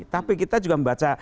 tapi kita juga membaca